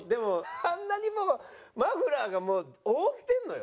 あんなにもうマフラーが覆ってるのよ？